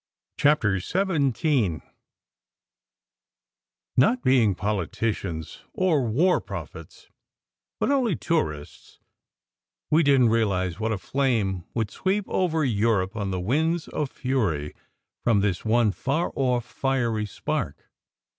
CHAPTER XVII NOT being politicians or war prophets, but only tourists, we didn t realize what a flame would sweep over Europe on the winds of fury from this one far off fiery spark.